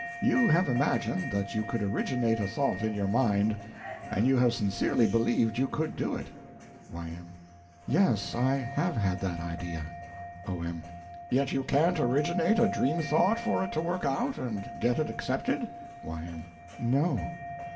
You have imagined that you could originate a thought in your mind, and you have sincerely believed you could do it. Y.M. Yes, I have had that idea. O.M. Yet you can't originate a dream thought for it to work out, and get it accepted? Y.M. No.